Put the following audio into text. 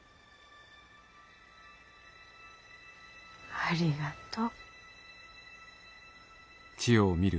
ありがとう。